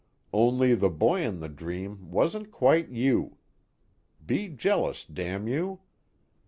Only the boy in the dream wasn't quite you. Be jealous, damn you.